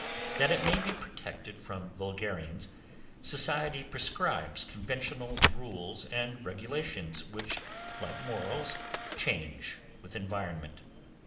That it may be protected from vulgarians Society prescribes conventional rules and regulations, which, like morals, change with environment.